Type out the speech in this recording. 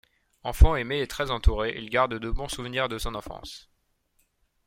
Enfant aimé et très entouré, il garde de bon souvenirs de son enfance.